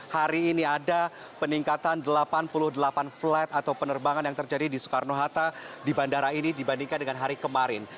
hari ini ada peningkatan delapan puluh delapan flight atau penerbangan yang terjadi di soekarno hatta di bandara ini dibandingkan dengan hari kemarin